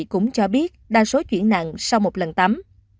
cũng cho biết đa số chuyển nặng sau một lần tắm